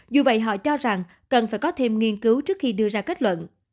dù vậy họ cho rằng cần phải có thêm nghiên cứu trước khi đưa ra kết luận